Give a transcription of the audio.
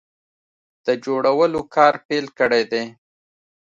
د جوړولو کار پیل کړی دی